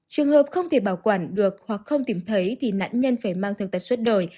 trường hợp không thể bảo quản được hoặc không tìm thấy thì nạn nhân phải mang thương tật suốt đời